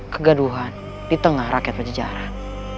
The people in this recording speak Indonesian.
kegaduhan di tengah rakyat berjajaran